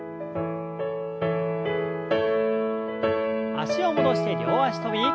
脚を戻して両脚跳び。